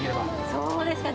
そうですか。